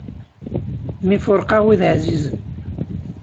Mi fuṛqeɣ wid ɛzizen.